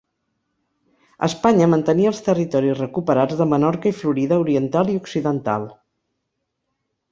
Espanya mantenia els territoris recuperats de Menorca i Florida oriental i occidental.